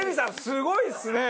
すごいですね。